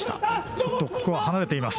ちょっとここは離れています。